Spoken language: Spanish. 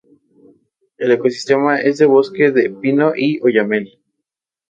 El ecosistema es de bosque de pino y oyamel.